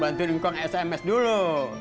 bantuin engkau sms dulu